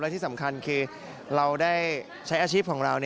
ที่สำคัญคือเราได้ใช้อาชีพของเรา